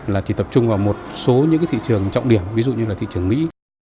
là chỉ tập trung vào một số những thị trường trọng điểm ví dụ như là thị trường mỹ